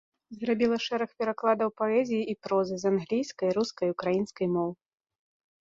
Зрабіла шэраг перакладаў паэзіі і прозы з англійскай, рускай, украінскай моў.